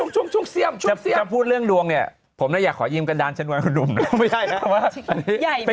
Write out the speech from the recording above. ช่วงนี้ใส่หน้ากากใส่ได้ไหมนะเวลา